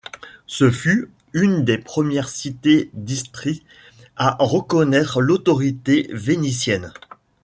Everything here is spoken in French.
Ce fut une des premières cités d'Istrie à reconnaître l'autorité vénitienne.